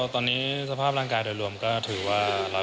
ตอนนี้สภาพร่างกายโดยรวมก็ถือว่า